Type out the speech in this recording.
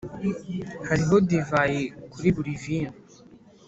hariho divayi kuri buri vino.